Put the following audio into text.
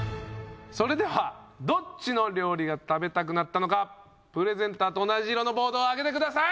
それではどっちの料理が食べたくなったのかプレゼンターと同じ色のボードを上げてください！